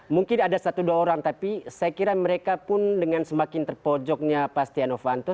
mungkin ada satu dua orang tapi saya kira mereka pun dengan semakin terpojoknya pak stiano fanto